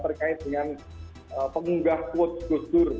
terkait dengan pengunggah quote gus dur